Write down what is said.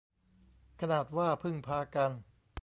ขนาดว่าพึ่งพากัน